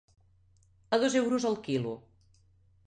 A dos euros el quilo.